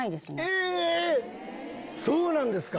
え⁉そうなんですか？